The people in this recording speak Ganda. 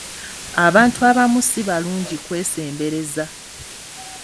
Abantu abamu si balungi kwesembereza.